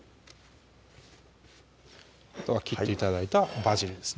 あとは切って頂いたバジルですね